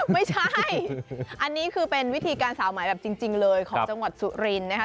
ไม่ใช่อันนี้คือเป็นวิธีการสาวหมายแบบจริงเลยของจังหวัดสุรินทร์นะคะ